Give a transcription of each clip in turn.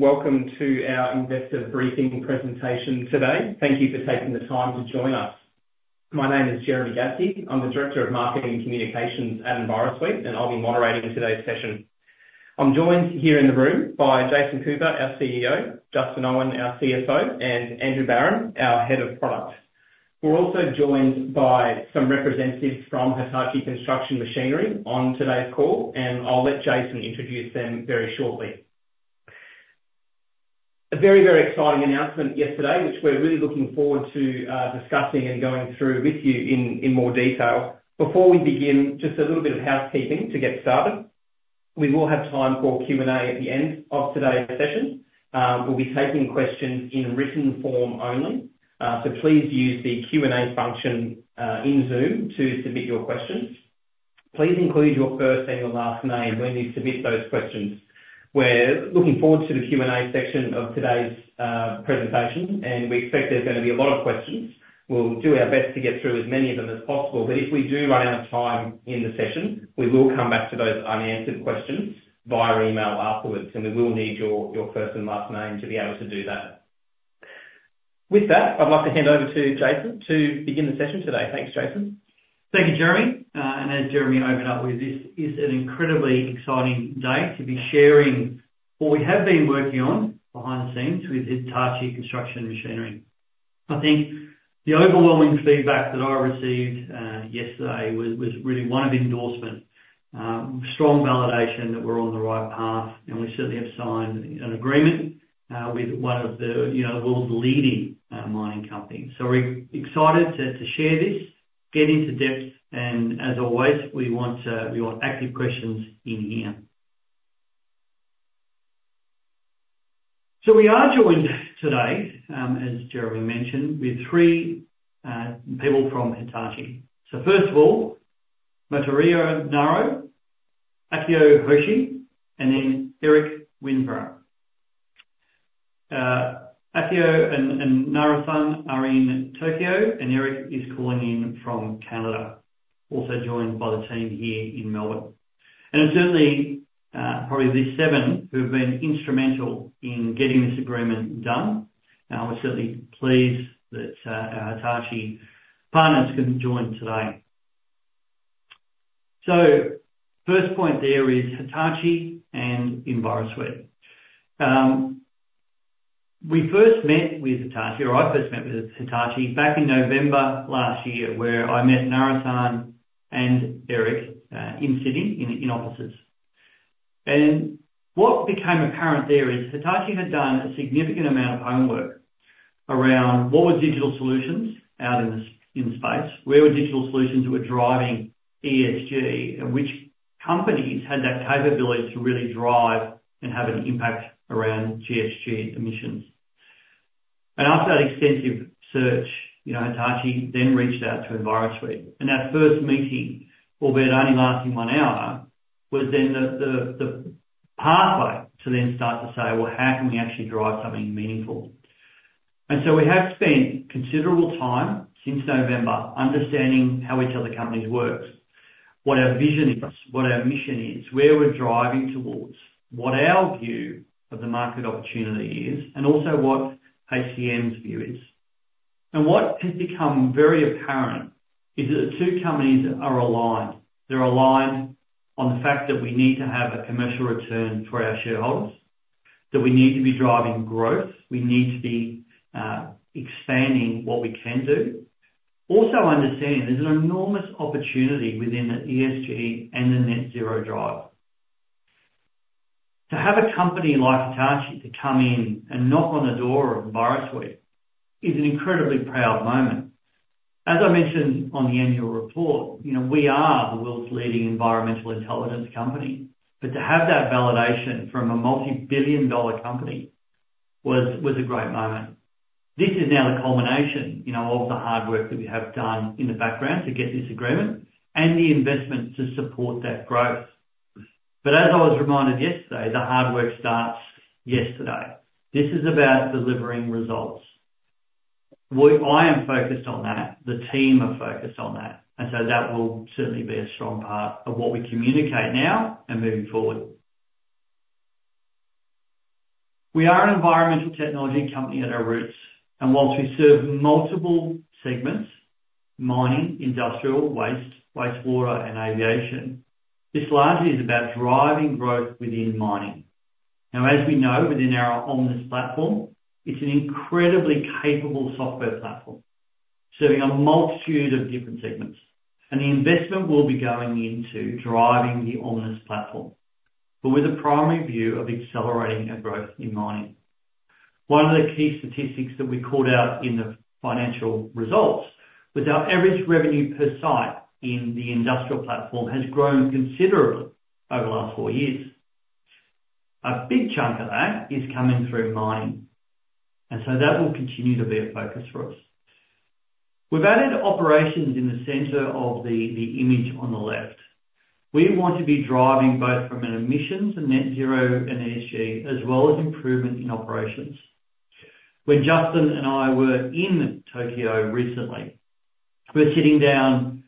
Welcome to our investor briefing presentation today. Thank you for taking the time to join us. My name is Jeremy Gaskie. I'm the Director of Marketing and Communications at Envirosuite, and I'll be moderating today's session. I'm joined here in the room by Jason Cooper, our CEO, Justin Owen, our CFO, and Andrew Barron, our Head of Product. We're also joined by some representatives from Hitachi Construction Machinery on today's call, and I'll let Jason introduce them very shortly. A very, very exciting announcement yesterday, which we're really looking forward to, discussing and going through with you in more detail. Before we begin, just a little bit of housekeeping to get started. We will have time for Q&A at the end of today's session. We'll be taking questions in written form only, so please use the Q&A function in Zoom to submit your questions. Please include your first and your last name when you submit those questions. We're looking forward to the Q&A section of today's presentation, and we expect there's gonna be a lot of questions. We'll do our best to get through as many of them as possible, but if we do run out of time in the session, we will come back to those unanswered questions via email afterwards, and we will need your first and last name to be able to do that. With that, I'd like to hand over to Jason to begin the session today. Thanks, Jason. Thank you, Jeremy, and as Jeremy opened up with, this is an incredibly exciting day to be sharing what we have been working on behind the scenes with Hitachi Construction Machinery. I think the overwhelming feedback that I received yesterday was really one of endorsement, strong validation that we're on the right path, and we certainly have signed an agreement with one of the, you know, world's leading mining companies, so we're excited to share this, get into depth, and as always, we want active questions in here, so we are joined today, as Jeremy mentioned, with three people from Hitachi, so first of all, Munehiro Naro, Akio Hoshi, and then Eric Winsborrow, Akio and Naro San are in Tokyo, and Eric is calling in from Canada, also joined by the team here in Melbourne. And certainly, probably these seven who have been instrumental in getting this agreement done, and we're certainly pleased that our Hitachi partners can join today. So first point there is Hitachi and Envirosuite. We first met with Hitachi, or I first met with Hitachi back in November last year, where I met Naro San and Eric in Sydney, in offices. And what became apparent there is, Hitachi had done a significant amount of homework around what were digital solutions out in the space? Where were digital solutions that were driving ESG, and which companies had that capability to really drive and have an impact around GHG emissions? And after that extensive search, you know, Hitachi then reached out to Envirosuite, and our first meeting, albeit only lasting one hour, was then the pathway to then start to say, "Well, how can we actually drive something meaningful?" And so we have spent considerable time since November understanding how each other's companies works, what our vision is, what our mission is, where we're driving towards, what our view of the market opportunity is, and also what HCM's view is. And what has become very apparent is that the two companies are aligned. They're aligned on the fact that we need to have a commercial return for our shareholders, that we need to be driving growth, we need to be expanding what we can do. Also understanding there's an enormous opportunity within the ESG and the Net Zero Drive. To have a company like Hitachi to come in and knock on the door of Envirosuite is an incredibly proud moment. As I mentioned on the annual report, you know, we are the world's leading environmental intelligence company, but to have that validation from a multi-billion-dollar company was a great moment. This is now the culmination, you know, of the hard work that we have done in the background to get this agreement, and the investment to support that growth. But as I was reminded yesterday, the hard work starts yesterday. This is about delivering results. We, I am focused on that. The team are focused on that, and so that will certainly be a strong part of what we communicate now and moving forward. We are an environmental technology company at our roots, and while we serve multiple segments, mining, industrial, waste, wastewater, and aviation, this largely is about driving growth within mining. Now, as we know, within our Omnis platform, it's an incredibly capable software platform serving a multitude of different segments, and the investment will be going into driving the Omnis platform, but with a primary view of accelerating our growth in mining. One of the key statistics that we called out in the financial results was our average revenue per site in the industrial platform has grown considerably over the last four years. A big chunk of that is coming through mining, and so that will continue to be a focus for us. We've added operations in the center of the image on the left. We want to be driving both from an emissions and Net Zero and ESG, as well as improvement in operations. When Justin and I were in Tokyo recently, we were sitting down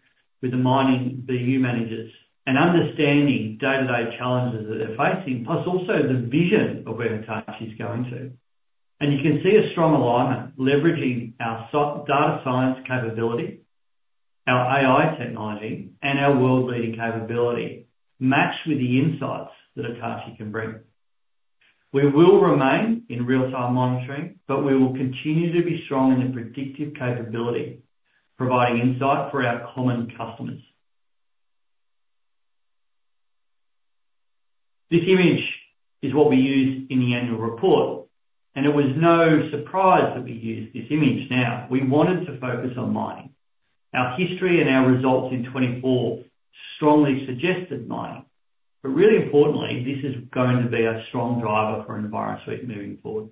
with the Mining BU managers, and understanding day-to-day challenges that they're facing, plus also the vision of where Hitachi is going to, and you can see a strong alignment, leveraging our data science capability, our AI technology, and our world-leading capability, matched with the insights that Hitachi can bring. We will remain in real-time monitoring, but we will continue to be strong in the predictive capability, providing insight for our common customers. This image is what we used in the annual report, and it was no surprise that we used this image. Now, we wanted to focus on mining. Our history and our results in 2024 strongly suggested mining, but really importantly, this is going to be a strong driver for Envirosuite moving forward.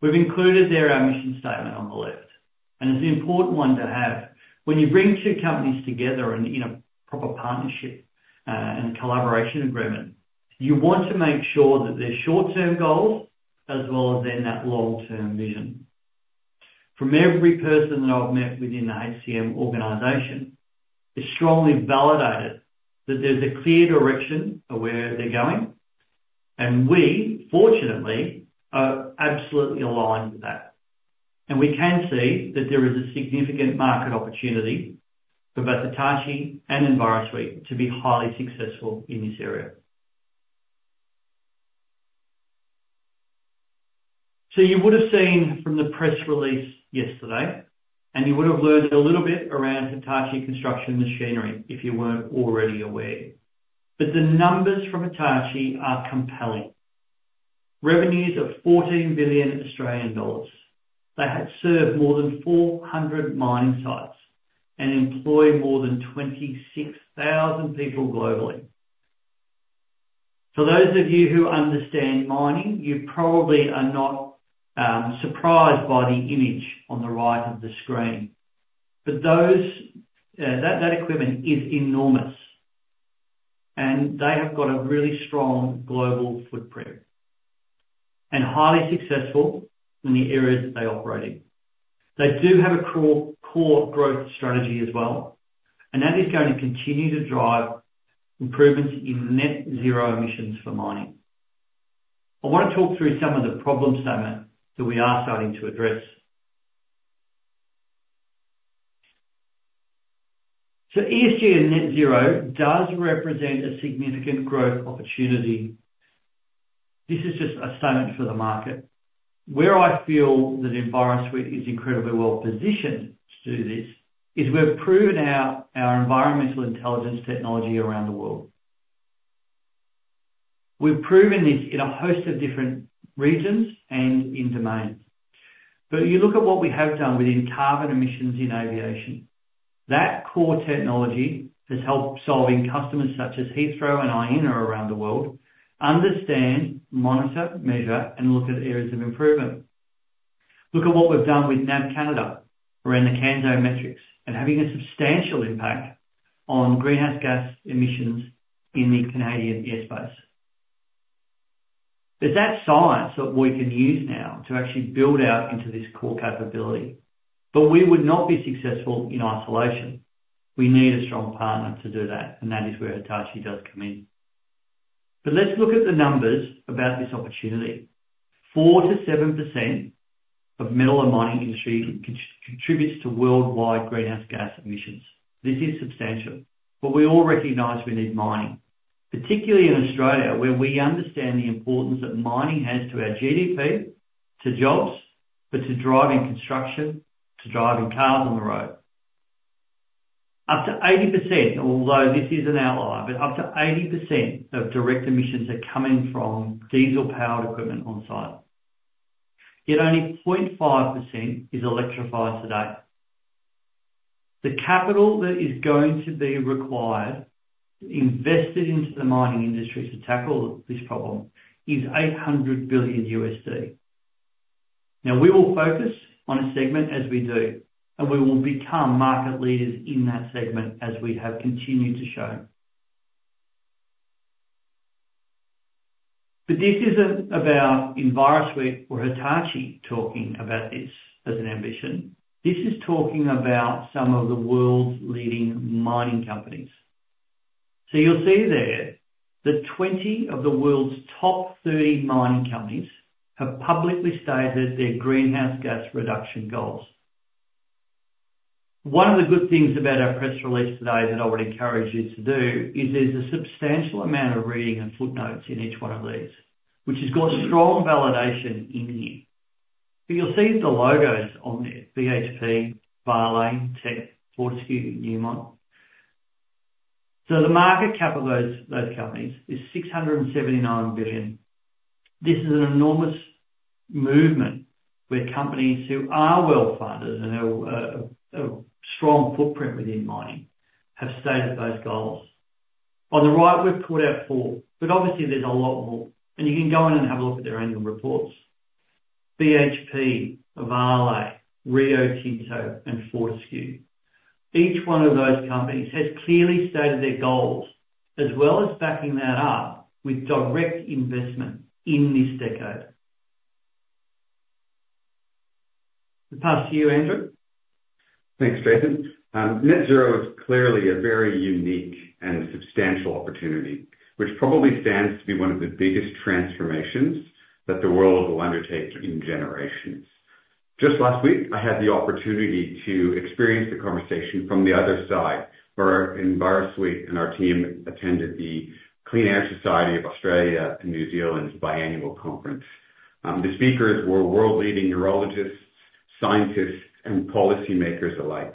We've included there our mission statement on the left, and it's an important one to have. When you bring two companies together in a proper partnership and collaboration agreement, you want to make sure that there's short-term goals, as well as then that long-term vision. From every person that I've met within the HCM organization, it's strongly validated that there's a clear direction of where they're going, and we, fortunately, are absolutely aligned with that, and we can see that there is a significant market opportunity for both Hitachi and Envirosuite to be highly successful in this area. So you would've seen from the press release yesterday, and you would've learned a little bit around Hitachi Construction Machinery, if you weren't already aware, but the numbers from Hitachi are compelling. Revenues of 14 billion Australian dollars. They have served more than 400 mining sites and employ more than 26,000 people globally. For those of you who understand mining, you probably are not surprised by the image on the right of the screen. But that equipment is enormous, and they have got a really strong global footprint, and highly successful in the areas that they operate in. They do have a core growth strategy as well, and that is going to continue to drive improvements in net zero emissions for mining. I wanna talk through some of the problem statement that we are starting to address. So ESG and net zero does represent a significant growth opportunity. This is just a statement for the market. Where I feel that Envirosuite is incredibly well positioned to do this, is we've proven our environmental intelligence technology around the world. We've proven this in a host of different regions and in domains, but you look at what we have done within carbon emissions in aviation, that core technology has helped solving customers such as Heathrow and Aena around the world, understand, monitor, measure, and look at areas of improvement. Look at what we've done with NAV CANADA, around the CANSO metrics, and having a substantial impact on greenhouse gas emissions in the Canadian airspace. It's that science that we can use now to actually build out into this core capability, but we would not be successful in isolation. We need a strong partner to do that, and that is where Hitachi does come in. But let's look at the numbers about this opportunity. 4%-7% of metal and mining industry contributes to worldwide greenhouse gas emissions. This is substantial, but we all recognize we need mining, particularly in Australia, where we understand the importance that mining has to our GDP, to jobs, but to driving construction, to driving cars on the road. Up to 80%, although this is an outlier, but up to 80% of direct emissions are coming from diesel-powered equipment on site, yet only 0.5% is electrified today. The capital that is going to be required to invest into the mining industry to tackle this problem is $800 billion. Now, we all focus on a segment, as we do, and we will become market leaders in that segment, as we have continued to show. But this isn't about Envirosuite or Hitachi talking about this as an ambition, this is talking about some of the world's leading mining companies. So you'll see there, that 20 of the world's top 30 mining companies have publicly stated their greenhouse gas reduction goals. One of the good things about our press release today, that I would encourage you to do, is there's a substantial amount of reading and footnotes in each one of these, which has got strong validation in here. But you'll see the logos on there, BHP, Vale, Teck, Fortescue, Newmont. So the market cap of those, those companies is 679 billion. This is an enormous movement where companies who are well-funded and have a strong footprint within mining, have stated those goals. On the right, we've called out four, but obviously there's a lot more, and you can go in and have a look at their annual reports. BHP, Vale, Rio Tinto, and Fortescue. Each one of those companies has clearly stated their goals, as well as backing that up with direct investment in this decade. I'll pass to you, Andrew. Thanks, Jason. Net zero is clearly a very unique and substantial opportunity, which probably stands to be one of the biggest transformations that the world will undertake in generations. Just last week, I had the opportunity to experience the conversation from the other side, where Envirosuite and our team attended the Clean Air Society of Australia and New Zealand's biannual conference. The speakers were world-leading aerologists, scientists, and policymakers alike,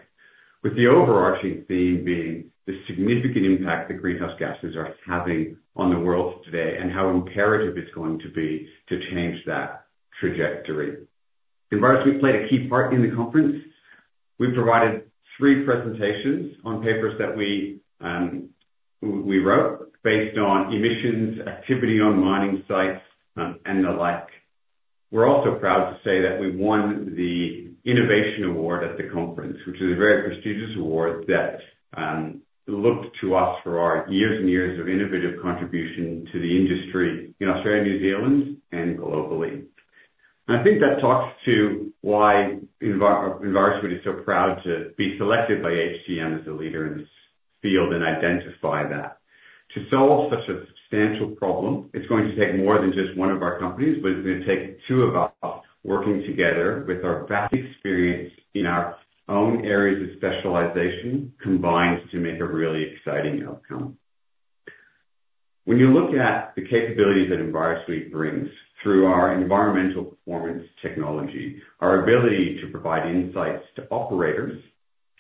with the overarching theme being the significant impact that greenhouse gases are having on the world today, and how imperative it's going to be to change that trajectory. Envirosuite played a key part in the conference. We provided three presentations on papers that we wrote based on emissions, activity on mining sites, and the like. We're also proud to say that we won the Innovation Award at the conference, which is a very prestigious award that looked to us for our years and years of innovative contribution to the industry in Australia, New Zealand, and globally. I think that talks to why Envirosuite is so proud to be selected by HCM as a leader in this field, and identify that. To solve such a substantial problem, it's going to take more than just one of our companies, but it's gonna take two of us working together with our vast experience in our own areas of specialization, combined to make a really exciting outcome. When you look at the capabilities that Envirosuite brings through our environmental performance technology, our ability to provide insights to operators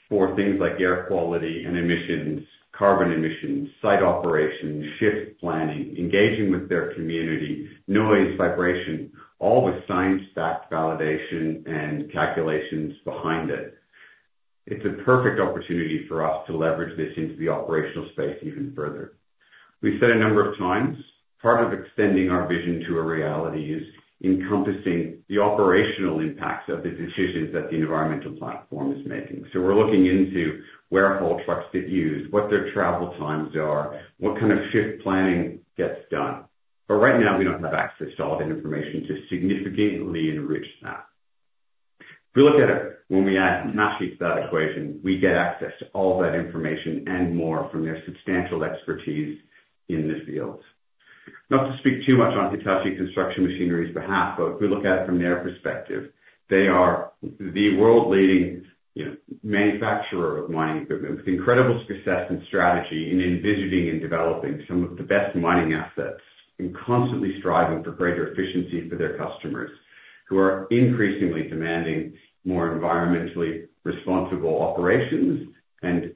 for things like air quality and emissions, carbon emissions, site operations, shift planning, engaging with their community, noise, vibration, all the science, fact, validation, and calculations behind it. It's a perfect opportunity for us to leverage this into the operational space even further. We've said a number of times, part of extending our vision to a reality is encompassing the operational impacts of the decisions that the environmental platform is making. So we're looking into where haul trucks get used, what their travel times are, what kind of shift planning gets done, but right now we don't have access to all that information to significantly enrich that. If we look at it, when we add Hitachi to that equation, we get access to all that information and more from their substantial expertise in this field. Not to speak too much on Hitachi Construction Machinery's behalf, but if we look at it from their perspective, they are the world-leading, you know, manufacturer of mining equipment with incredible success and strategy in envisioning and developing some of the best mining assets, and constantly striving for greater efficiency for their customers, who are increasingly demanding more environmentally responsible operations and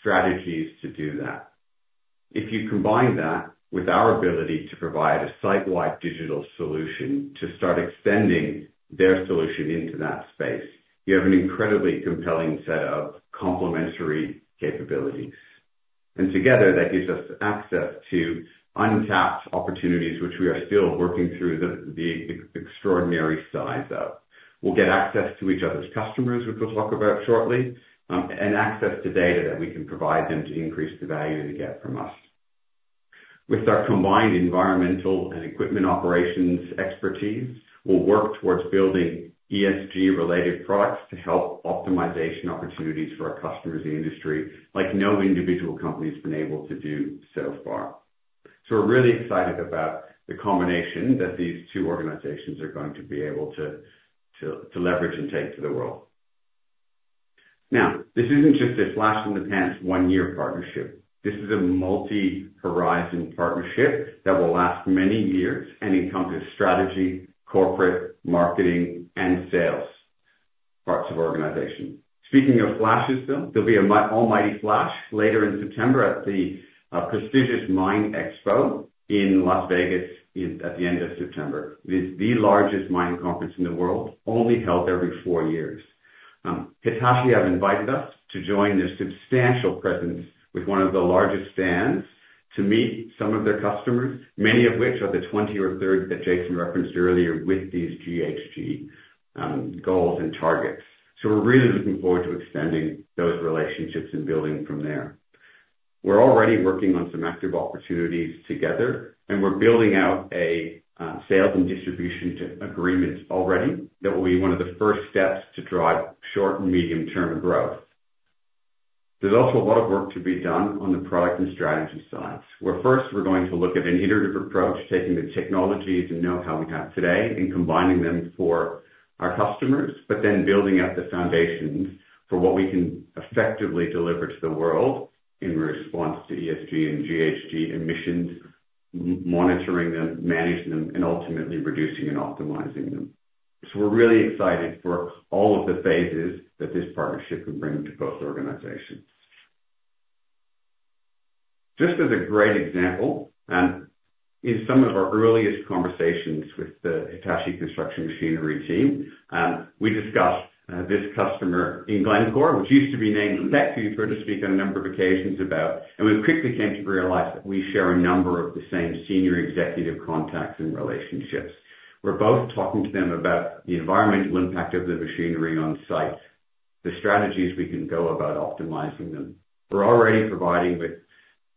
strategies to do that. If you combine that with our ability to provide a site-wide digital solution to start extending their solution into that space, you have an incredibly compelling set of complementary capabilities. And together, that gives us access to untapped opportunities, which we are still working through the extraordinary size of. We'll get access to each other's customers, which we'll talk about shortly, and access to data that we can provide them to increase the value they get from us. With our combined environmental and equipment operations expertise, we'll work towards building ESG-related products to help optimization opportunities for our customers in the industry, like no individual company's been able to do so far, so we're really excited about the combination that these two organizations are going to be able to to leverage and take to the world. Now, this isn't just a flash-in-the-pan one-year partnership. This is a multi-horizon partnership that will last many years and encompass strategy, corporate, marketing, and sales parts of organization. Speaking of flashes, though, there'll be a almighty flash later in September at the prestigious MINExpo in Las Vegas at the end of September. It is the largest mining conference in the world, only held every four years. Hitachi have invited us to join their substantial presence with one of the largest stands, to meet some of their customers, many of which are the 20 or 30 that Jason referenced earlier with these GHG goals and targets, so we're really looking forward to extending those relationships and building from there. We're already working on some active opportunities together, and we're building out a sales and distribution to agreements already. That will be one of the first steps to drive short and medium-term growth. There's also a lot of work to be done on the product and strategy sides, where first we're going to look at an iterative approach, taking the technologies and know-how we have today and combining them for our customers, but then building out the foundations for what we can effectively deliver to the world in response to ESG and GHG emissions, monitoring them, managing them, and ultimately reducing and optimizing them. So we're really excited for all of the phases that this partnership will bring to both organizations. Just as a great example, in some of our earliest conversations with the Hitachi Construction Machinery team, we discussed this customer in Glencore, which used to be named Xstrata, who heard us speak on a number of occasions about, and we quickly came to realize that we share a number of the same senior executive contacts and relationships. We're both talking to them about the environmental impact of the machinery on site, the strategies we can go about optimizing them. We're already providing with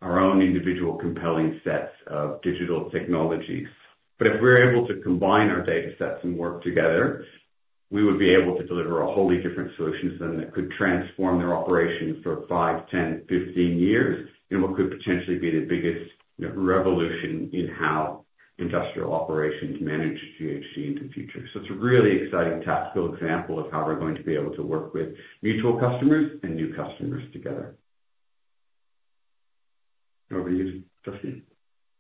our own individual compelling sets of digital technologies, but if we're able to combine our data sets and work together, we would be able to deliver a wholly different solutions than that could transform their operations for 5, 10, 15 years, in what could potentially be the biggest, you know, revolution in how industrial operations manage GHG into the future. So it's a really exciting tactical example of how we're going to be able to work with mutual customers and new customers together. Over to you, Justin.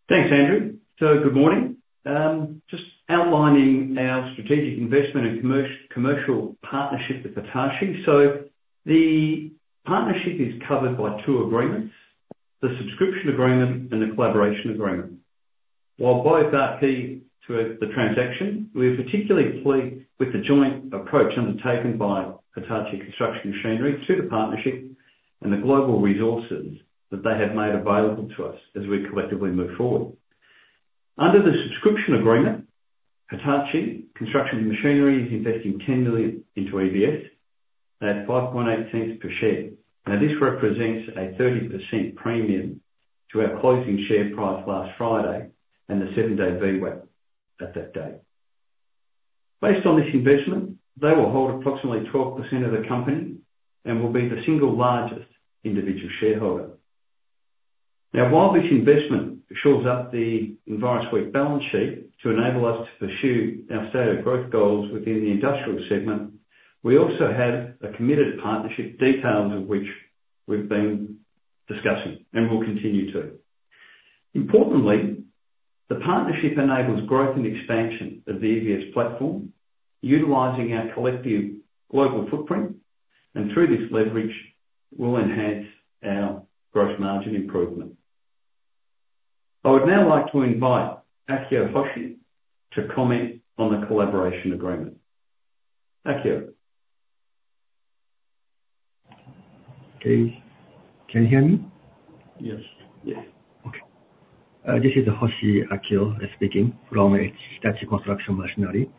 Thanks, Andrew. So good morning. Just outlining our strategic investment and commercial partnership with Hitachi. The partnership is covered by two agreements: the subscription agreement and the collaboration agreement. While both are key to the transaction, we are particularly pleased with the joint approach undertaken by Hitachi Construction Machinery to the partnership, and the global resources that they have made available to us as we collectively move forward. Under the subscription agreement, Hitachi Construction Machinery is investing 10 million into EVS. That's 0.058 per share. Now, this represents a 30% premium to our closing share price last Friday, and the seven-day VWAP at that day. Based on this investment, they will hold approximately 12% of the company and will be the single largest individual shareholder. Now, while this investment shores up the Envirosuite balance sheet to enable us to pursue our stated growth goals within the industrial segment, we also have a committed partnership, details of which we've been discussing, and will continue to. Importantly, the partnership enables growth and expansion of the EVS platform, utilizing our collective global footprint, and through this leverage, will enhance our gross margin improvement. I would now like to invite Akio Hoshi to comment on the collaboration agreement. Akio? Okay. Can you hear me? Yes. Yes. Okay. This is Hoshi Akio speaking from Hitachi Construction Machinery.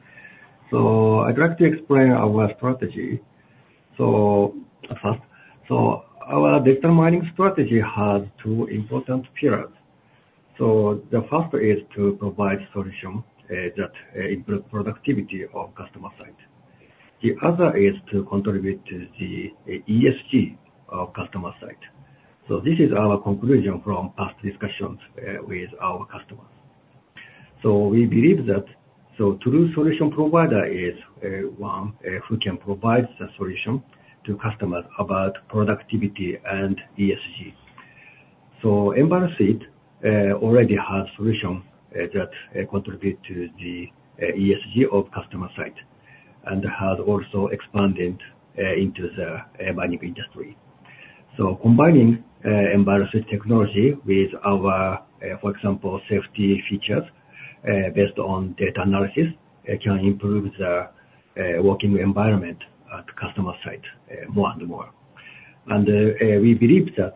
So I'd like to explain our strategy. So at first, our data mining strategy has two important pillars. So the first is to provide solution that improve productivity of customer site. The other is to contribute to the ESG of customer site. So this is our conclusion from past discussions with our customers. So we believe that true solution provider is one who can provide the solution to customers about productivity and ESG. So Envirosuite already have solution that contribute to the ESG of customer site, and has also expanded into the mining industry. So combining Envirosuite technology with our, for example, safety features based on data analysis, it can improve the working environment at the customer site more and more. We believe that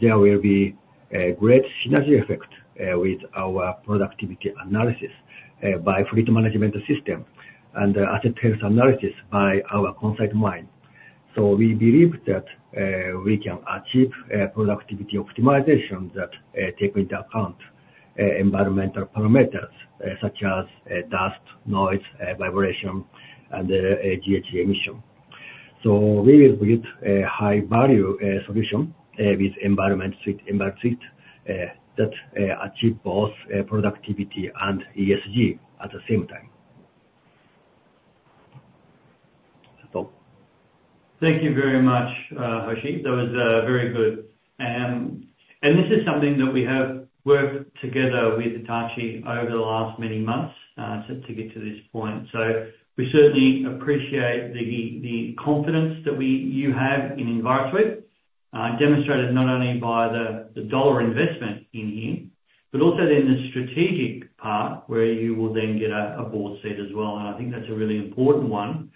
there will be a great synergy effect with our productivity analysis by fleet management system and asset health analysis by our ConSite Mine. We believe that we can achieve productivity optimization that take into account environmental parameters such as dust, noise, vibration, and GHG emission. We will build a high-value solution with Envirosuite that achieve both productivity and ESG at the same time. Thank you very much, Hoshi. That was very good. And this is something that we have worked together with Hitachi over the last many months to get to this point, so we certainly appreciate the confidence that you have in Envirosuite, demonstrated not only by the dollar investment in here, but also in the strategic part, where you will then get a board seat as well. And I think that's a really important one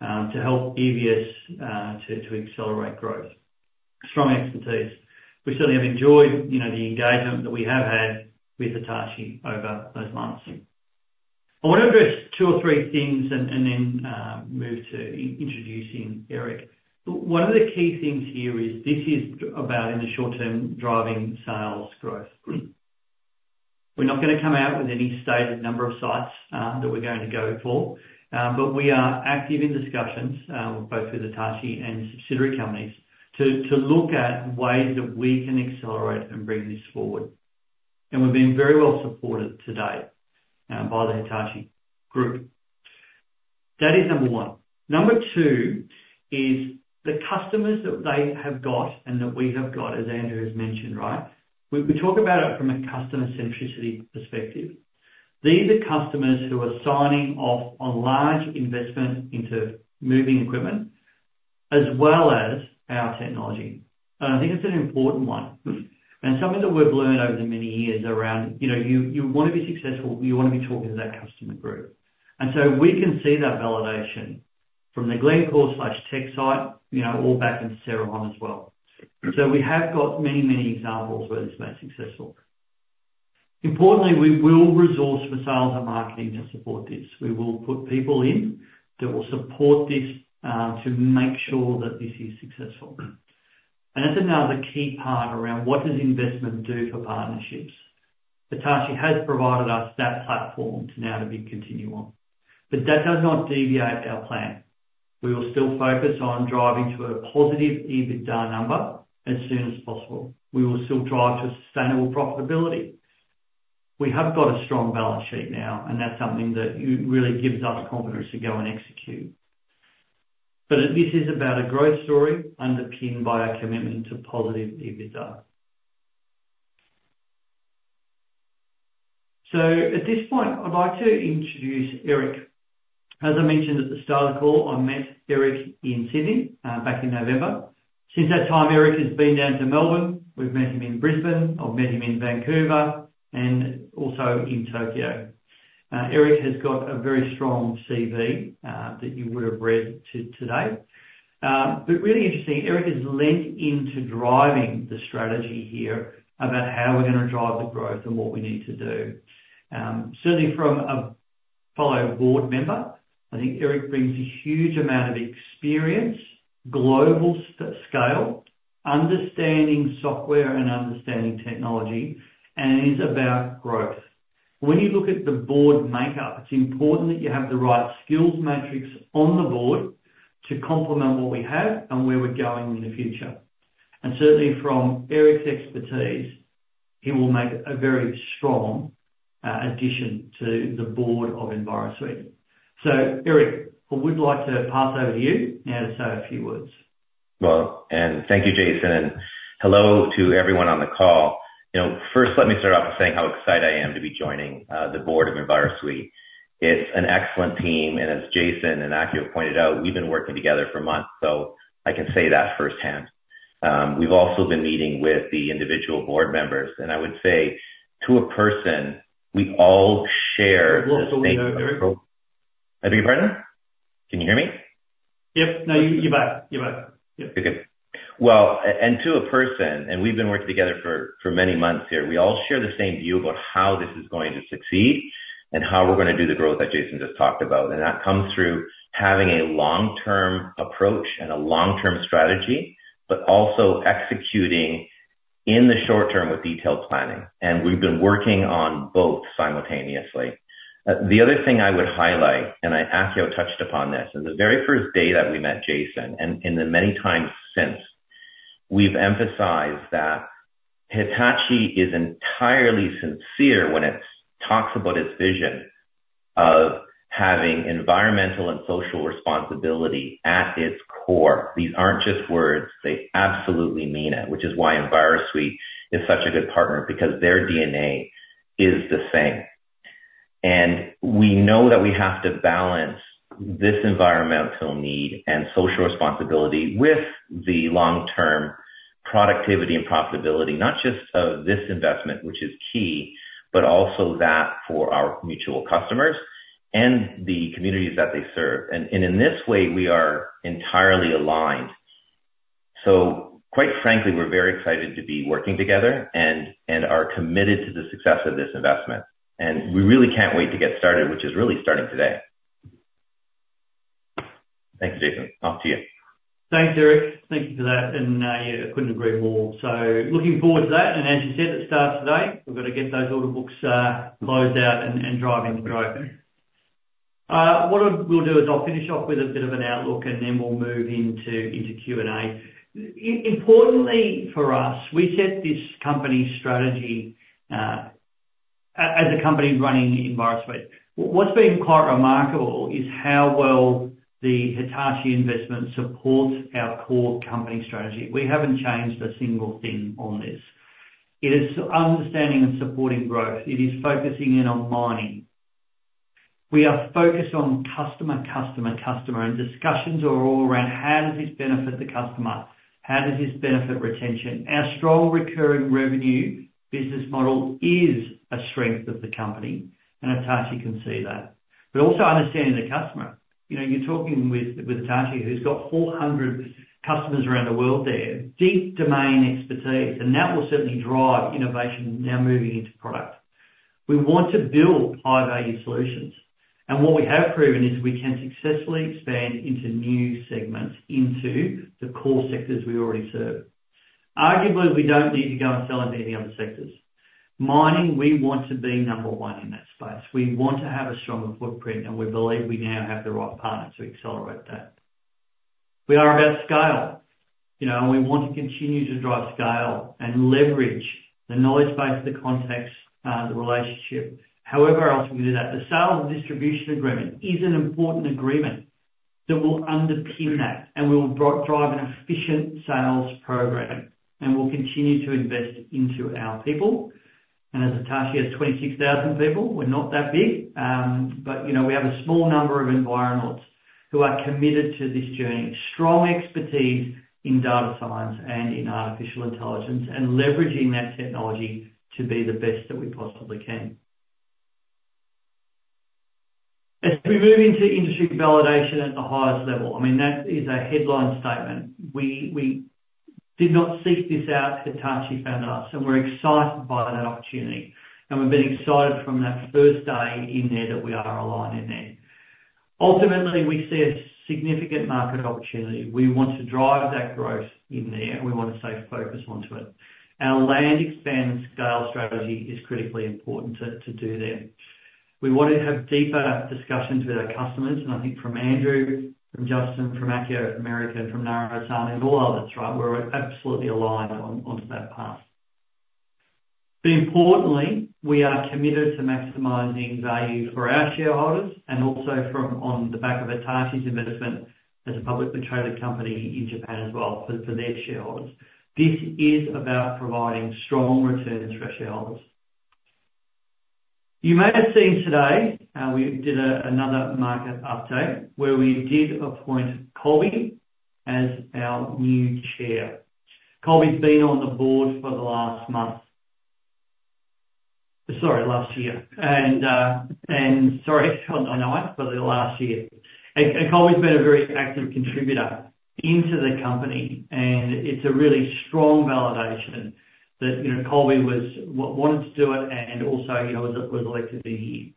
to help EVS to accelerate growth. Strong expertise. We certainly have enjoyed, you know, the engagement that we have had with Hitachi over those months. I want to address two or three things and then move to introducing Eric. One of the key things here is, this is about, in the short term, driving sales growth. We're not gonna come out with any stated number of sites that we're going to go for, but we are active in discussions both with Hitachi and subsidiary companies to look at ways that we can accelerate and bring this forward. And we're being very well supported today by the Hitachi group. That is number one. Number two is the customers that they have got and that we have got, as Andrew has mentioned, right? We talk about it from a customer centricity perspective. These are customers who are signing off on large investment into moving equipment, as well as our technology. And I think it's an important one. And something that we've learned over the many years around, you know, you want to be successful, you want to be talking to that customer group. And so we can see that validation from the Glencore/Teck site, you know, all back into Cerrejón as well. So we have got many, many examples where it's been successful. Importantly, we will resource for sales and marketing to support this. We will put people in that will support this to make sure that this is successful. And that's another key part around what does investment do for partnerships? Hitachi has provided us that platform to now to be continue on, but that does not deviate our plan. We will still focus on driving to a positive EBITDA number as soon as possible. We will still drive to sustainable profitability. We have got a strong balance sheet now, and that's something that really gives us confidence to go and execute. But this is about a growth story underpinned by our commitment to positive EBITDA. So at this point, I'd like to introduce Eric. As I mentioned at the start of the call, I met Eric in Sydney back in November. Since that time, Eric has been down to Melbourne. We've met him in Brisbane. I've met him in Vancouver and also in Tokyo. Eric has got a very strong CV that you would have read today. But really interesting, Eric has leaned into driving the strategy here about how we're gonna drive the growth and what we need to do. Certainly from a fellow board member, I think Eric brings a huge amount of experience, global scale, understanding software and understanding technology, and is about growth. When you look at the board makeup, it's important that you have the right skills matrix on the board to complement what we have and where we're going in the future. And certainly, from Eric's expertise, he will make a very strong addition to the board of Envirosuite. So Eric, I would like to pass over to you now to say a few words. Well, and thank you, Jason, and hello to everyone on the call. You know, first, let me start off by saying how excited I am to be joining the board of Envirosuite. It's an excellent team, and as Jason and Akio pointed out, we've been working together for months, so I can say that firsthand. We've also been meeting with the individual board members, and I would say, to a person, we all share the same approach- I beg your pardon? Can you hear me? Yep. No, you're back. Yep. Okay. Well, and to a person, and we've been working together for many months here, we all share the same view about how this is going to succeed and how we're gonna do the growth that Jason just talked about. And that comes through having a long-term approach and a long-term strategy, but also executing in the short term with detailed planning, and we've been working on both simultaneously. The other thing I would highlight, and Akio touched upon this, and the very first day that we met Jason, and the many times since, we've emphasized that Hitachi is entirely sincere when it talks about its vision of having environmental and social responsibility at its core. These aren't just words, they absolutely mean it, which is why Envirosuite is such a good partner, because their DNA is the same. And we know that we have to balance this environmental need and social responsibility with the long-term productivity and profitability, not just of this investment, which is key, but also that for our mutual customers and the communities that they serve. And in this way, we are entirely aligned. So quite frankly, we're very excited to be working together and are committed to the success of this investment. And we really can't wait to get started, which is really starting today. Thank you, Jason. Off to you. Thanks, Eric. Thank you for that, and I couldn't agree more, so looking forward to that, and as you said, it starts today. We've got to get those order books closed out and driving to growth. What we'll do is I'll finish off with a bit of an outlook, and then we'll move into Q&A. Importantly for us, we set this company strategy as a company running Envirosuite. What's been quite remarkable is how well the Hitachi investment supports our core company strategy. We haven't changed a single thing on this. It is understanding and supporting growth. It is focusing in on mining. We are focused on customer, customer, customer, and discussions are all around: How does this benefit the customer? How does this benefit retention? Our strong recurring revenue business model is a strength of the company, and Hitachi can see that. But also understanding the customer. You know, you're talking with Hitachi, who's got four hundred customers around the world there, deep domain expertise, and that will certainly drive innovation now moving into product. We want to build high-value solutions, and what we have proven is we can successfully expand into new segments, into the core sectors we already serve. Arguably, we don't need to go and sell into any other sectors. Mining, we want to be number one in that space. We want to have a stronger footprint, and we believe we now have the right partner to accelerate that. We are about scale, you know, and we want to continue to drive scale and leverage the knowledge base, the context, the relationship. However else we do that, the sales and distribution agreement is an important agreement that will underpin that, and we will drive an efficient sales program, and we'll continue to invest into our people, and as Hitachi has 26,000 people, we're not that big. But, you know, we have a small number of environmentals who are committed to this journey, strong expertise in data science and in artificial intelligence, and leveraging that technology to be the best that we possibly can. We move into industry validation at the highest level. I mean, that is a headline statement. We did not seek this out. Hitachi found us, and we're excited by that opportunity, and we've been excited from that first day in there that we are aligned in there. Ultimately, we see a significant market opportunity. We want to drive that growth in there, and we want to stay focused onto it. Our land expand scale strategy is critically important to do that. We want to have deeper discussions with our customers, and I think from Andrew, from Justin, from Akio, from Eric, and from Naro, and all others, right, we're absolutely aligned on to that path. But importantly, we are committed to maximizing value for our shareholders and also from on the back of Hitachi's investment as a publicly traded company in Japan as well, for their shareholders. This is about providing strong returns for our shareholders. You may have seen today, we did another market update where we did appoint Colby as our new chair. Colby's been on the board for the last month. Sorry, last year, and sorry, on months, but the last year. Colby's been a very active contributor into the company, and it's a really strong validation that, you know, Colby wanted to do it and also, you know, was elected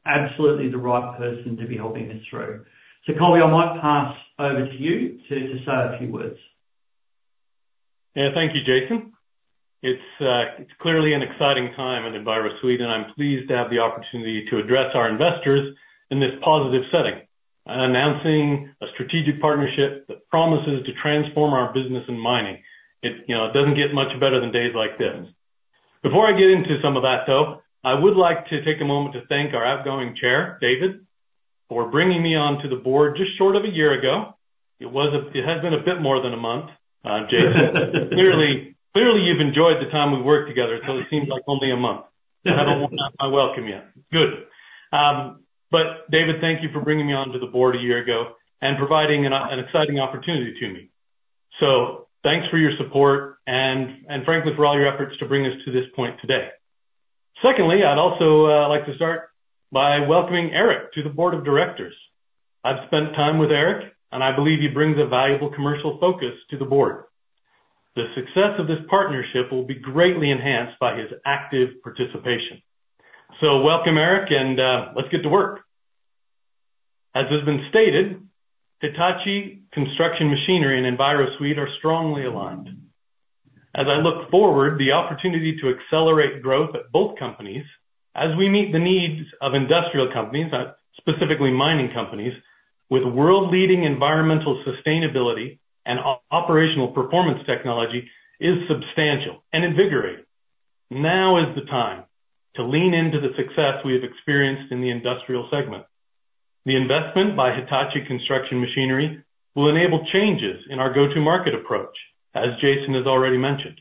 absolutely the right person to be helping us through. Colby, I might pass over to you to say a few words. Yeah, thank you, Jason. It's clearly an exciting time at Envirosuite, and I'm pleased to have the opportunity to address our investors in this positive setting. Announcing a strategic partnership that promises to transform our business in mining. It, you know, it doesn't get much better than days like this. Before I get into some of that, though, I would like to take a moment to thank our outgoing chair, David, for bringing me onto the board just short of a year ago. It has been a bit more than a month, Jason. Clearly, you've enjoyed the time we've worked together, so it seems like only a month. I welcome you. Good. But David, thank you for bringing me onto the board a year ago and providing an exciting opportunity to me. So thanks for your support and frankly, for all your efforts to bring us to this point today. Secondly, I'd also like to start by welcoming Eric to the board of directors. I've spent time with Eric, and I believe he brings a valuable commercial focus to the board. The success of this partnership will be greatly enhanced by his active participation. So welcome, Eric, and let's get to work. As has been stated, Hitachi Construction Machinery and Envirosuite are strongly aligned. As I look forward, the opportunity to accelerate growth at both companies, as we meet the needs of industrial companies, specifically mining companies, with world-leading environmental sustainability and operational performance technology, is substantial and invigorating. Now is the time to lean into the success we have experienced in the industrial segment. The investment by Hitachi Construction Machinery will enable changes in our go-to-market approach, as Jason has already mentioned.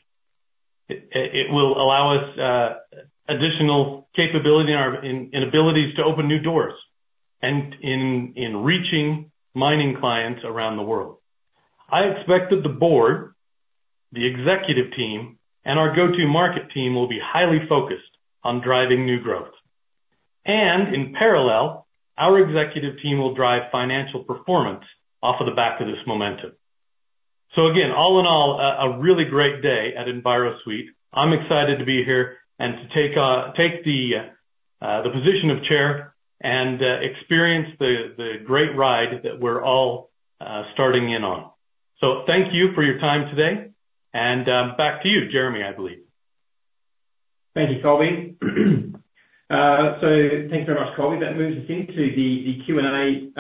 It will allow us additional capability in our abilities to open new doors and in reaching mining clients around the world. I expect that the board, the executive team, and our go-to market team will be highly focused on driving new growth. And in parallel, our executive team will drive financial performance off of the back of this momentum. So again, all in all, a really great day at Envirosuite. I'm excited to be here and to take the position of chair and experience the great ride that we're all starting in on. So thank you for your time today, and back to you, Jeremy, I believe. Thank you, Colby. So thanks very much, Colby. That moves us into the Q&A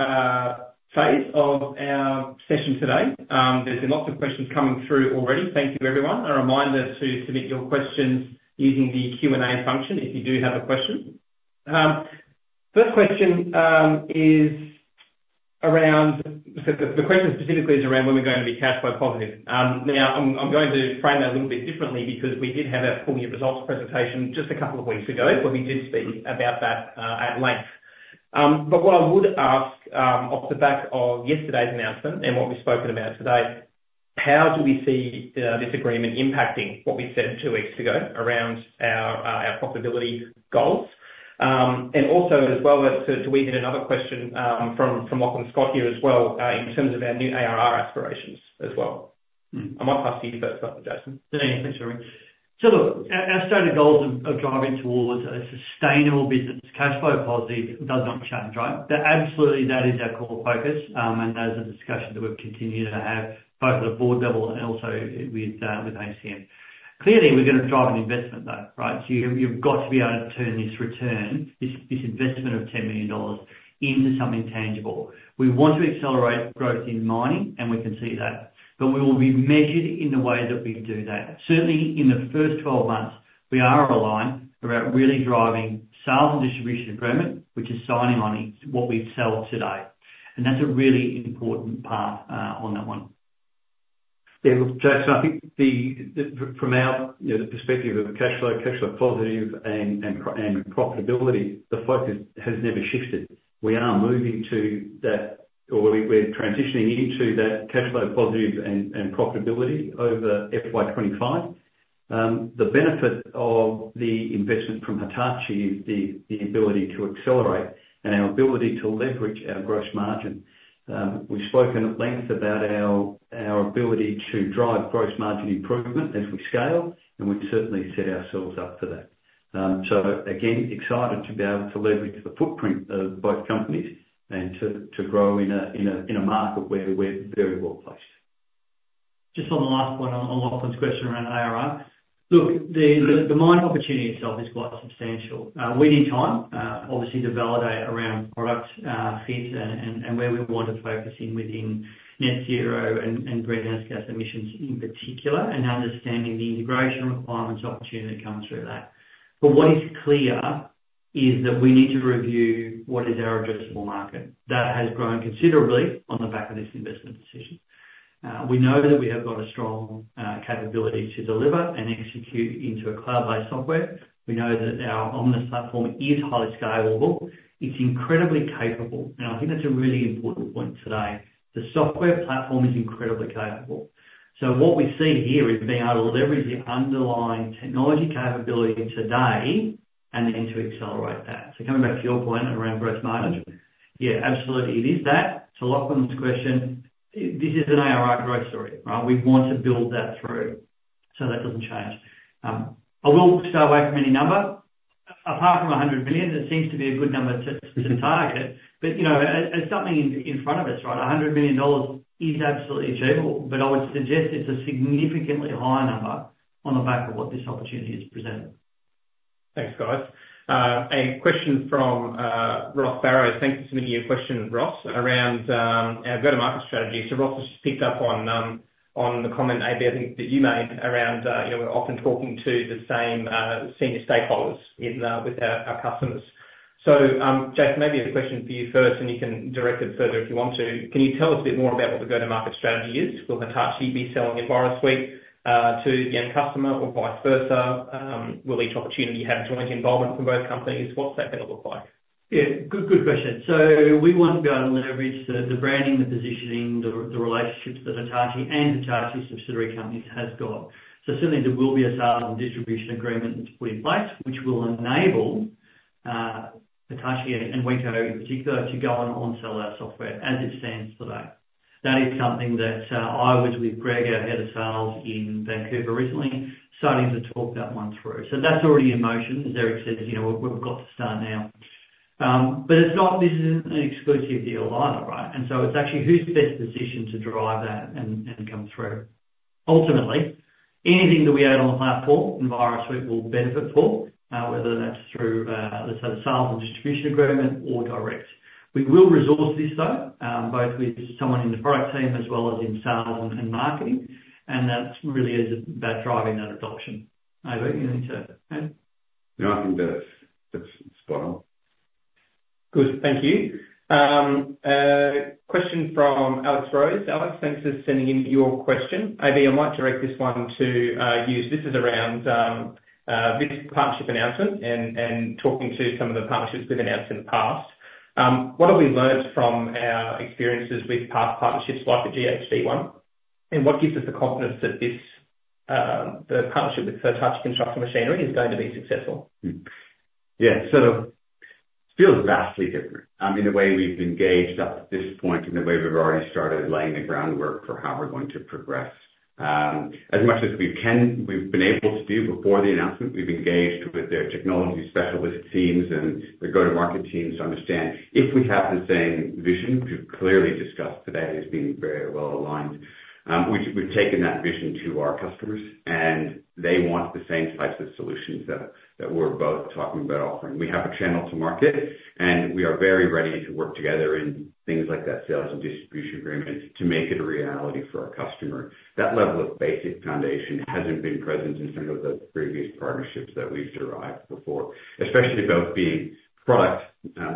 phase of our session today. There's been lots of questions coming through already. Thank you, everyone. A reminder to submit your questions using the Q&A function, if you do have a question. First question is around. The question specifically is around when we're going to be cash flow positive. Now, I'm going to frame that a little bit differently because we did have a full year results presentation just a couple of weeks ago, where we did speak about that at length. But what I would ask off the back of yesterday's announcement and what we've spoken about today, how do we see this agreement impacting what we said two weeks ago around our profitability goals? And also as well, as to weave in another question from Lachlan Scott here as well, in terms of our new ARR aspirations as well. I might pass to you first off, Jason. Yeah, thanks, Jeremy. So look, our stated goals of driving towards a sustainable business, cash flow positive, does not change, right? That absolutely is our core focus, and that is a discussion that we'll continue to have both at a board level and also with HCM. Clearly, we're gonna drive an investment, though, right? So you've got to be able to turn this investment of 10 million dollars into something tangible. We want to accelerate growth in mining, and we can see that, but we will be measured in the way that we do that. Certainly, in the first 12 months, we are aligned around really driving sales and distribution improvement, which is signing on what we sell today. And that's a really important part on that one. Yeah, look, Jason, I think the from our, you know, the perspective of cash flow, cash flow positive and profitability, the focus has never shifted. We are moving to that, or we, we're transitioning into that cash flow positive and profitability over FY 25. The benefit of the investment from Hitachi is the ability to accelerate and our ability to leverage our gross margin. We've spoken at length about our ability to drive gross margin improvement as we scale, and we've certainly set ourselves up for that. So again, excited to be able to leverage the footprint of both companies and to grow in a market where we're very well placed. Just on the last point, on Lachlan's question around ARR. Look, the mine opportunity itself is quite substantial. We need time, obviously, to validate around product fit and where we want to focus in within net zero and greenhouse gas emissions in particular, and understanding the integration requirements opportunity that comes through that. But what is clear is that we need to review what is our addressable market. That has grown considerably on the back of this investment decision. We know that we have got a strong capability to deliver and execute into a cloud-based software. We know that our Omnis platform is highly scalable. It's incredibly capable, and I think that's a really important point today. The software platform is incredibly capable. What we see here is being able to leverage the underlying technology capability today and then to accelerate that. Coming back to your point around gross margin, yeah, absolutely, it is that. To Lachlan's question, this is an ARR growth story, right? We want to build that through, so that doesn't change. I will stay away from any number apart from 100 million, that seems to be a good number to target. But, you know, something in front of us, right? 100 million dollars is absolutely achievable, but I would suggest it's a significantly higher number on the back of what this opportunity has presented. Thanks, guys. A question from Ross Barrow. Thank you for submitting your question, Ross, around our go-to-market strategy. So Ross has picked up on the comment, AB, I think that you made around, you know, we're often talking to the same senior stakeholders in with our customers. So, Jase, maybe a question for you first, and you can direct it further if you want to. Can you tell us a bit more about what the go-to-market strategy is? Will Hitachi be selling Envirosuite to the end customer or vice versa? Will each opportunity have joint involvement from both companies? What's that gonna look like? Yeah, good, good question. So we want to be able to leverage the branding, the positioning, the relationships that Hitachi and Hitachi's subsidiary companies has got. So certainly there will be a sales and distribution agreement to put in place, which will enable Hitachi and Wenco, in particular, to go and onsell our software as it stands today. That is something that I was with Greg, our head of sales, in Vancouver recently, starting to talk that one through. So that's already in motion. As Eric says, you know, we've got to start now. But it's not, this isn't an exclusive deal either, right? And so it's actually who's best positioned to drive that and come through. Ultimately, anything that we add on the platform, Envirosuite will benefit for, whether that's through, let's say, the sales and distribution agreement or direct. We will resource this, though, both with someone in the product team as well as in sales and marketing, and that's really is about driving that adoption. AB, anything to add? No, I think that's spot on. Good. Thank you. A question from Alex Rose. Alex, thanks for sending in your question. AB, I might direct this one to you. So this is around this partnership announcement and talking to some of the partnerships we've announced in the past. What have we learned from our experiences with past partnerships like the GHD one, and what gives us the confidence that this, the partnership with Hitachi Construction Machinery is going to be successful? Yeah. So it feels vastly different in the way we've engaged up to this point and the way we've already started laying the groundwork for how we're going to progress. As much as we can, we've been able to do before the announcement, we've engaged with their technology specialist teams and their go-to-market teams to understand if we have the same vision, which we've clearly discussed today as being very well aligned. We've taken that vision to our customers, and they want the same types of solutions that we're both talking about offering. We have a channel to market, and we are very ready to work together in things like that sales and distribution agreement to make it a reality for our customer. That level of basic foundation hasn't been present in some of the previous partnerships that we've derived before, especially both being product,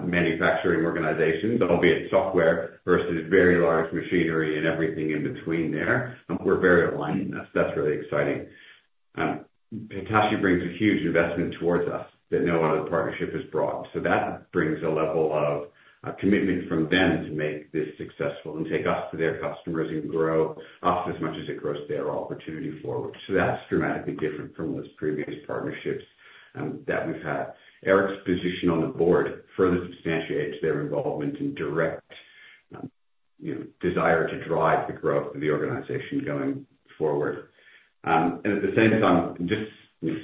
manufacturing organizations, albeit software versus very large machinery and everything in between there, and we're very aligned in this. That's really exciting. Hitachi brings a huge investment towards us that no other partnership has brought. So that brings a level of, commitment from them to make this successful and take us to their customers and grow us as much as it grows their opportunity forward. So that's dramatically different from those previous partnerships, that we've had. Eric's position on the board further substantiates their involvement and direct, you know, desire to drive the growth of the organization going forward. And at the same time, just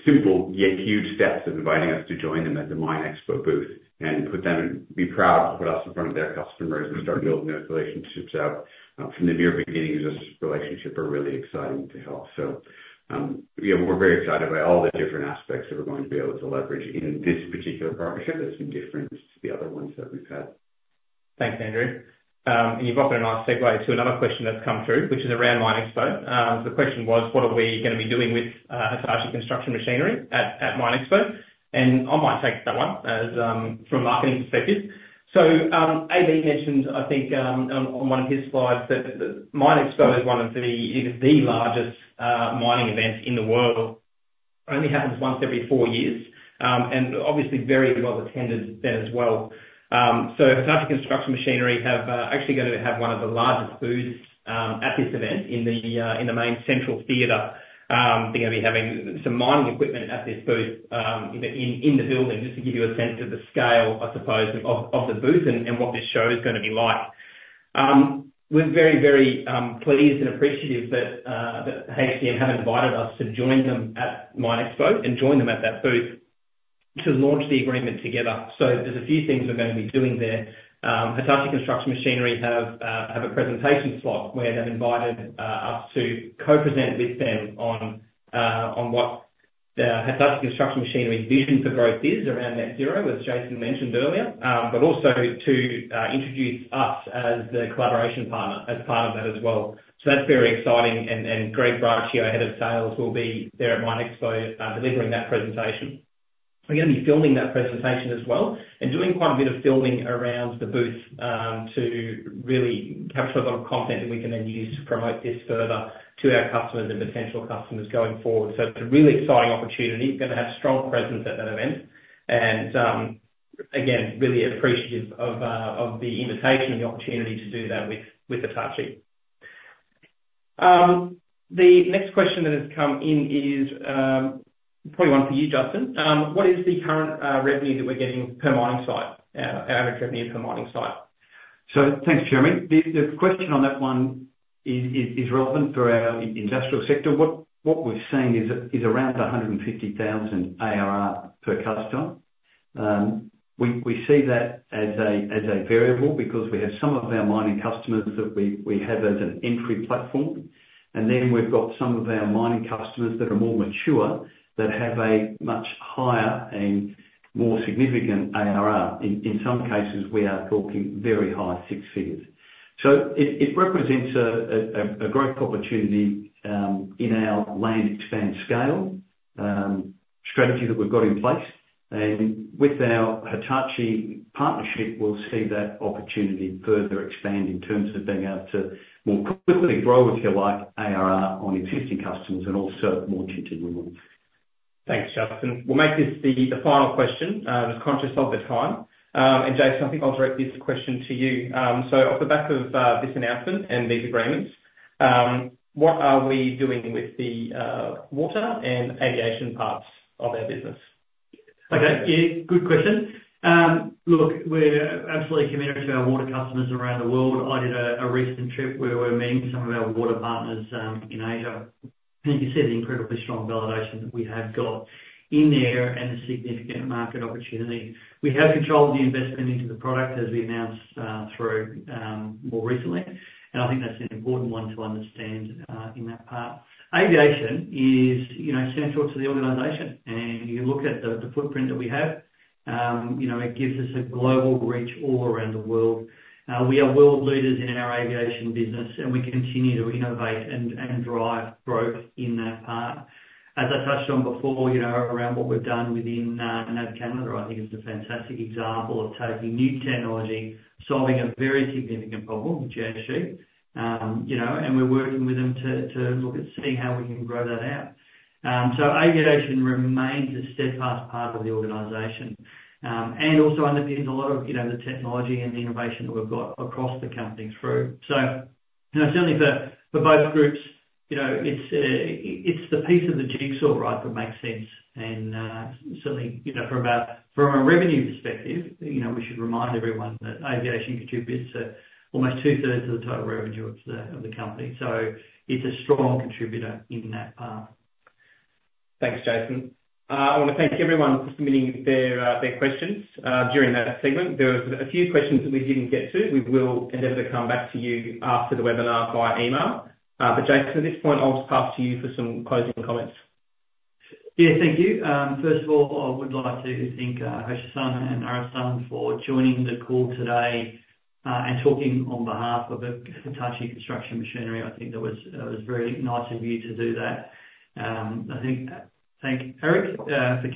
simple yet huge steps of inviting us to join them at the MINExpo booth and be proud to put us in front of their customers and start building those relationships out, from the very beginning of this relationship are really exciting to help. So, yeah, we're very excited by all the different aspects that we're going to be able to leverage in this particular partnership that's been different to the other ones that we've had. Thanks, Andrew. And you've offered a nice segue to another question that's come through, which is around MINExpo. The question was: What are we gonna be doing with, Hitachi Construction Machinery at MINExpo? And I might take that one as, from a marketing perspective. So, AB mentioned, I think, on one of his slides, that MINExpo is one of the- either the largest, mining events in the world. It only happens once every four years, and obviously very well attended then as well. So Hitachi Construction Machinery have actually going to have one of the largest booths, at this event in the, in the main central theater. They're gonna be having some mining equipment at this booth, in the building, just to give you a sense of the scale, I suppose, of the booth and what this show is gonna be like. We're very pleased and appreciative that HCM have invited us to join them at MINExpo and join them at that booth to launch the agreement together. So there's a few things we're gonna be doing there. Hitachi Construction Machinery have a presentation slot, where they've invited us to co-present with them on what the Hitachi Construction Machinery's vision for growth is around net zero, as Jason mentioned earlier. But also to introduce us as the collaboration partner, as part of that as well. So that's very exciting, and Greg Brachi, our Head of Sales, will be there at MINExpo, delivering that presentation. We're gonna be filming that presentation as well, and doing quite a bit of filming around the booth, to really capture a lot of content that we can then use to promote this further to our customers and potential customers going forward. So it's a really exciting opportunity. We're gonna have strong presence at that event, and, again, really appreciative of the invitation and the opportunity to do that with Hitachi. The next question that has come in is, probably one for you, Justin. What is the current revenue that we're getting per mining site, our average revenue per mining site? So thanks, Jeremy. The question on that one is relevant for our industrial sector. What we're seeing is around 150,000 ARR per customer. We see that as a variable, because we have some of our mining customers that we have as an entry platform, and then we've got some of our mining customers that are more mature, that have a much higher and more significant ARR. In some cases, we are talking very high six figures. It represents a growth opportunity in our land expand scale strategy that we've got in place. And with our Hitachi partnership, we'll see that opportunity further expand in terms of being able to more quickly grow, if you like, ARR on existing customers and also more into new ones. Thanks, Justin. We'll make this the final question, just conscious of the time, and Jason, I think I'll direct this question to you. So off the back of this announcement and these agreements, what are we doing with the water and aviation parts of our business? Okay. Yeah, good question. Look, we're absolutely committed to our water customers around the world. I did a recent trip where we're meeting some of our water partners in Asia, and you can see the incredibly strong validation that we have got in there and the significant market opportunity. We have controlled the investment into the product, as we announced through more recently, and I think that's an important one to understand in that part. Aviation is, you know, central to the organization, and you look at the footprint that we have, you know, it gives us a global reach all around the world. We are world leaders in our aviation business, and we continue to innovate and drive growth in that part. As I touched on before, you know, around what we've done within Canada, I think is a fantastic example of taking new technology, solving a very significant problem with ESG. You know, and we're working with them to look at seeing how we can grow that out. So aviation remains a steadfast part of the organization, and also underpinning a lot of, you know, the technology and the innovation that we've got across the company through. So, you know, certainly for both groups, you know, it's the piece of the jigsaw, right, that makes sense. And certainly, you know, from a revenue perspective, you know, we should remind everyone that aviation contributes to almost two-thirds of the total revenue of the company, so it's a strong contributor in that part. Thanks, Jason. I wanna thank everyone for submitting their questions during that segment. There were a few questions that we didn't get to. We will endeavor to come back to you after the webinar via email. But Jason, at this point, I'll just pass to you for some closing comments. Yeah. Thank you. First of all, I would like to thank Hoshi-san and Naro-san for joining the call today and talking on behalf of the Hitachi Construction Machinery. I think that was very nice of you to do that. I think thank Eric for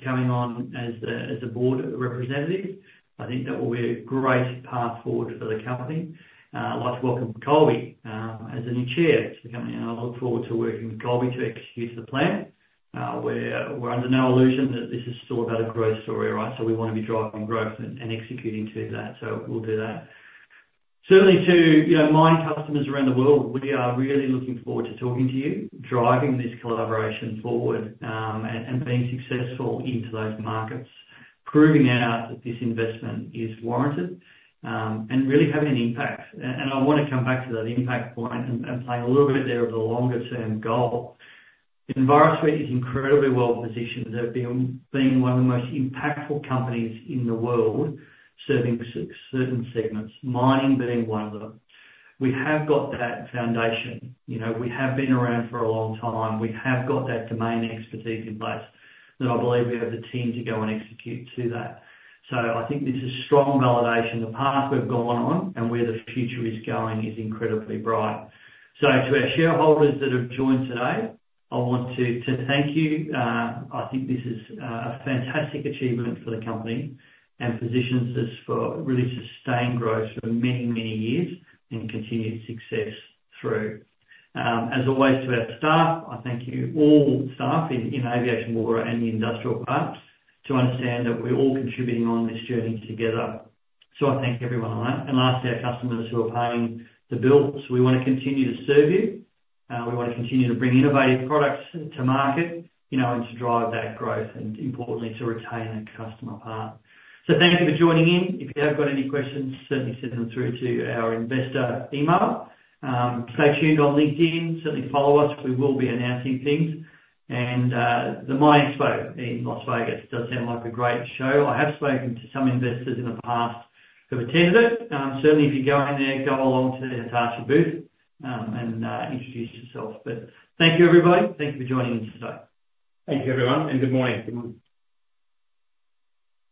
coming on as the board representative. I think that will be a great path forward for the company. I'd like to welcome Colby as the new chair to the company, and I look forward to working with Colby to execute the plan. We're under no illusion that this is still about a growth story, right? So we wanna be driving growth and executing to that, so we'll do that. Certainly to, you know, mining customers around the world, we are really looking forward to talking to you, driving this collaboration forward, and being successful into those markets, proving that this investment is warranted, and really having an impact, and I wanna come back to that impact point and play a little bit there of the longer-term goal. Envirosuite is incredibly well positioned at being one of the most impactful companies in the world, serving certain segments, mining being one of them. We have got that foundation, you know, we have been around for a long time. We have got that domain expertise in place, and I believe we have the team to go and execute to that, so I think this is strong validation. The path we've gone on and where the future is going is incredibly bright. So to our shareholders that have joined today, I want to thank you. I think this is a fantastic achievement for the company and positions us for really sustained growth for many, many years, and continued success through. As always, to our staff, I thank you, all staff in aviation, water, and the industrial parts, to understand that we're all contributing on this journey together. So I thank everyone on that. And lastly, our customers who are paying the bills, we wanna continue to serve you. We wanna continue to bring innovative products to market, you know, and to drive that growth, and importantly, to retain that customer part. So thank you for joining in. If you have got any questions, certainly send them through to our investor email. Stay tuned on LinkedIn. Certainly follow us. We will be announcing things, and the MINExpo in Las Vegas does sound like a great show. I have spoken to some investors in the past who've attended it. Certainly if you're going there, go along to the Hitachi booth, and introduce yourself. But thank you, everybody. Thank you for joining us today. Thank you, everyone, and good morning. Good morning.